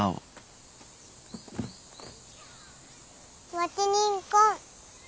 はちにんこ。